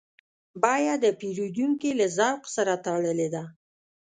بیه د پیرودونکي له ذوق سره تړلې ده.